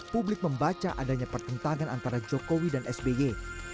publik membaca adanya pertentangan antara jokowi dan sby